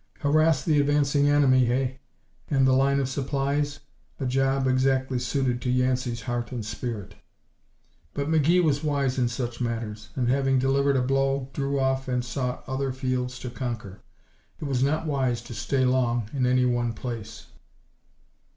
Harass the advancing enemy, eh? And the line of supplies? A job exactly suited to Yancey's heart and spirit. But McGee was wise in such matters, and having delivered a blow drew off and sought other fields to conquer. It was not wise to stay long in any one place.